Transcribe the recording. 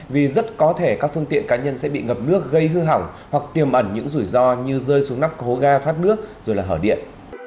vì rất có thể các phương tiện cá nhân sẽ bị ngập nước gây hư hỏng hoặc tiềm ẩn những rủi ro như rơi xuống nắp hố ga thoát nước rồi là hở điện